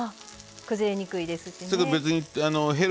崩れにくいですしね。